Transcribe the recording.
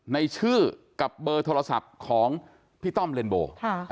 ในชื่อกับเบอร์โทรศัพท์ของพี่ต้อมเลนโบ